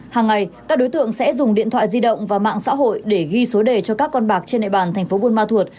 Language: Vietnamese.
hàng ngày các đối tượng sẽ dùng điện thoại di động và mạng xã hội để ghi số đề cho các con bạc trên địa bàn thành phố buôn ma thuột